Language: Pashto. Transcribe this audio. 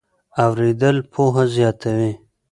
اورېدل پوهه زیاتوي.